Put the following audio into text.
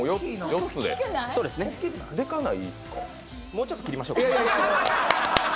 もうちょっと切りましょうか。